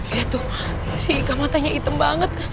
lihat tuh si ika matanya item banget